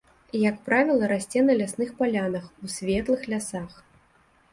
Як правіла расце на лясных палянах, у светлых лясах.